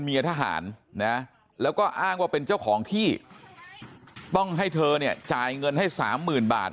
ทหารนะแล้วก็อ้างว่าเป็นเจ้าของที่ต้องให้เธอเนี่ยจ่ายเงินให้สามหมื่นบาท